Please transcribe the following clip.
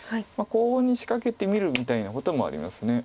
コウに仕掛けてみるみたいなこともあります。